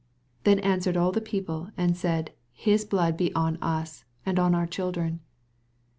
25 Then answered all the people, and said, His blood be on us, and oa our children.